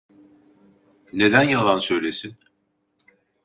Neden yalan söylesin?